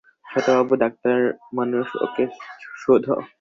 ছোটবাবু ডাক্তার মানুষ ওঁকে শুধো।